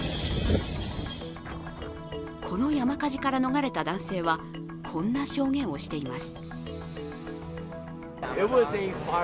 この山火事から逃れた男性はこんな証言をしています。